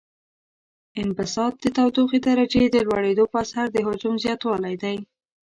انبساط د تودوخې درجې د لوړیدو په اثر د حجم زیاتوالی دی.